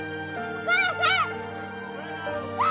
お母さん！